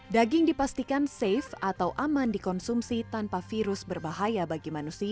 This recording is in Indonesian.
daging dipastikan safe atau aman dikonsumsi tanpa virus berbahaya bagi manusia